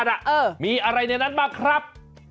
น่ะเออมีอะไรในนั้นบ้างครับ